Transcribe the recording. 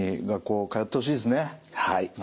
はい。